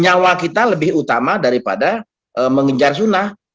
nyawa kita lebih utama daripada mengejar sunnah